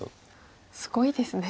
すごいですね。